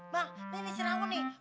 mak main di si raun nih